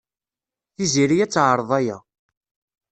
Tiziri ad teɛreḍ aya.